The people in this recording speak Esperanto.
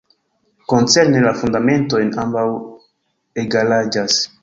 Koncerne la fundamentojn ambaŭ egalaĝas.